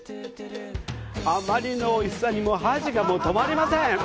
あまりのおいしさに箸がもう止まりません！